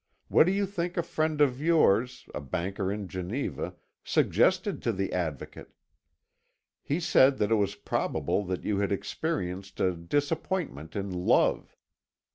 What do you think a friend of yours, a banker in Geneva, suggested to the Advocate? He said that it was probable that you had experienced a disappointment in love.